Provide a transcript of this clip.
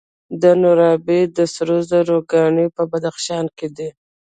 د نورابې د سرو زرو کان په بدخشان کې دی.